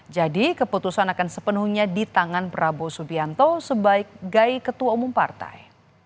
jadi keputusan akan sepenuhnya di tangan prabowo subianto sebagai ketua umum partai